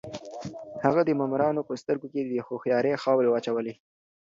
هغه د مامورانو په سترګو کې د هوښيارۍ خاورې واچولې.